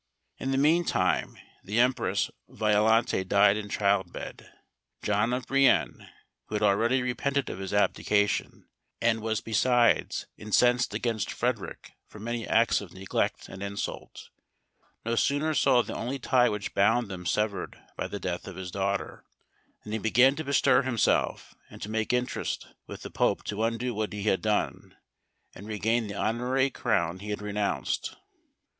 In the mean time the Empress Violante died in childbed. John of Brienne, who had already repented of his abdication, and was besides incensed against Frederic for many acts of neglect and insult, no sooner saw the only tie which bound them severed by the death of his daughter, than he began to bestir himself, and make interest with the pope to undo what he had done, and regain the honorary crown he had renounced.